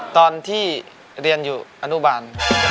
ตอนที่เรียนอยู่อนุบาล